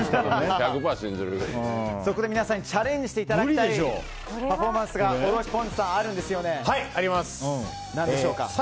そこで皆さんにチャレンジしていただきたいパフォーマンスがおろしぽんづさんあるんですよね。あります。